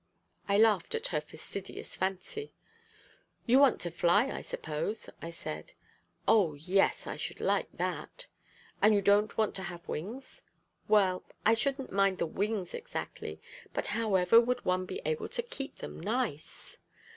I laughed at her fastidious fancy. "You want to fly, I suppose?" I said. "O, yes; I should like that." "And you don't want to have wings?" "Well, I shouldn't mind the wings exactly; but however would one be able to keep them nice?"